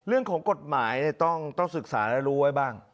เรื่องของกฎหมายต้องศึกษาและรู้ไว้บ้าง